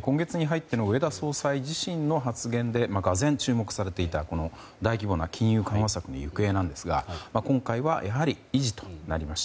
今月に入っての植田総裁自身の発言でがぜん注目されていた大規模な金融緩和策の行方ですが今回はやはり維持となりました。